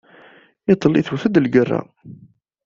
Iḍelli tewwet-d lgerra.